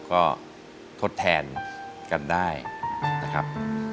ก็ทดแทนกันได้นะครับ